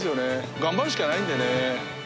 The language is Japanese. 頑張るしかないんでね。